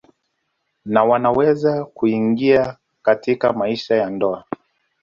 Na wanaweza kuingia katika maisha ya ndoa